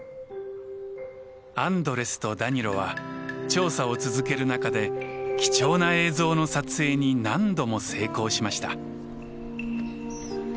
アンドレスとダニロは調査を続ける中で貴重な映像の撮影に何度も成功しました。